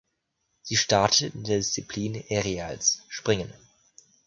Sie startet in der Disziplin Aerials (Springen).